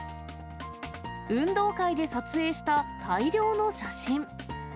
運動会で撮影した大量の写真。